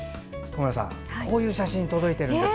こういう写真が届いてるんです。